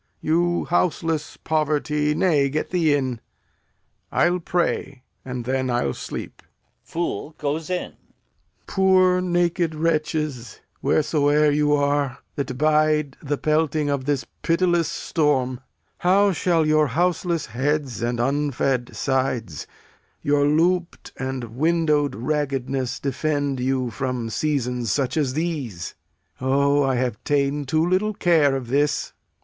You houseless poverty Nay, get thee in. I'll pray, and then I'll sleep. Exit [Fool]. Poor naked wretches, wheresoe'er you are, That bide the pelting of this pitiless storm, How shall your houseless heads and unfed sides, Your loop'd and window'd raggedness, defend you From seasons such as these? O, I have ta'en Too little care of this!